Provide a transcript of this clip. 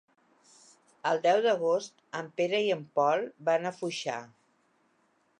El deu d'agost en Pere i en Pol van a Foixà.